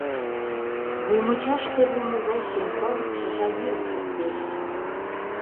Вуй мучаште вулно гай шем пыл шыжа йӱрым шоктеш.